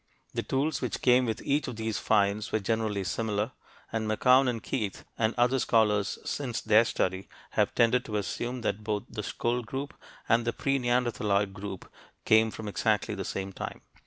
The tools which came with each of these finds were generally similar, and McCown and Keith, and other scholars since their study, have tended to assume that both the Skhul group and the pre neanderthaloid group came from exactly the same time.